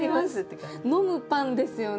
「飲むパン」ですよね！